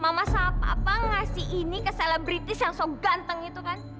mama sama papa ngasih ini ke selebritis yang so ganteng itu kan